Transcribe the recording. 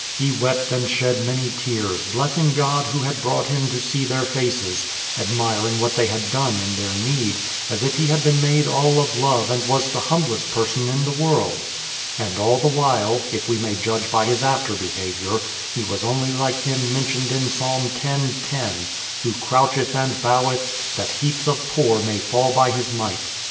He wept and shed many tears, blessing God Who had brought him to see their faces, admiring what they had done in their need, as if he had been made all of love and was the humblest person in the world. And all the while (if we may judge by his after behaviour) he was only like him mentioned in Psalm X, 10 : who croucheth and boweth, that heaps of poor may THE PLYMOUTH SETTLEMENT 145 fall by his might.